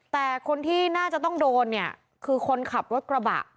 แต่คนที่น่าจะต้องโดนเนี่ยคือคนขับรถกระบะ